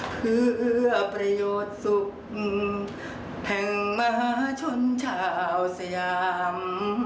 เพื่อเอื้อประโยชน์สุขแห่งมหาชนชาวสยาม